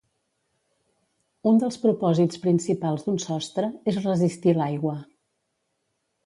Un dels propòsits principals d'un sostre és resistir l'aigua.